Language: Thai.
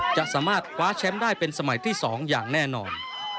จะสามารถคว้าแชมป์ได้เป็นสมัยที่๒อย่างแน่นอน